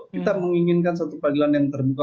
kita menginginkan satu peradilan yang terbuka